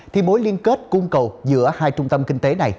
thì mối liên kết cung cầu giữa hai trung tâm kinh tế này